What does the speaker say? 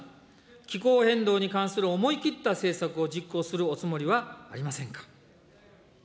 気候変動に関する思い切った政策を実行するおつもりはありませんか。